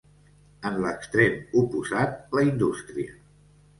En l'extrem oposat la indústria.